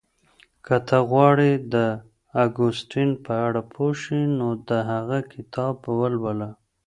که ته غواړې د اګوستين په اړه پوه شې نو د هغه کتاب ولوله.